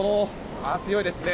ああ、強いですね。